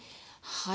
はい。